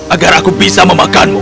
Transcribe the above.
agar aku bisa memakanmu